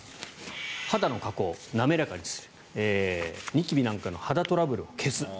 肌の加工滑らかにするニキビなんかの肌トラブルを消す。